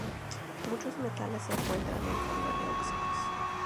Muchos metales se encuentran en forma de óxidos.